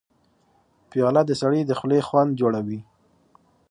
پیاله د سړي د خولې خوند جوړوي.